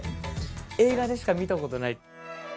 映画でしか見たことない！